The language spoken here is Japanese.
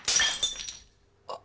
あっ。